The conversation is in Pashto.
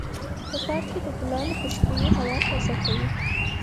په پارک کې د ګلانو خوشبو هوا تازه کوي.